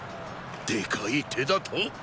でかい手だと？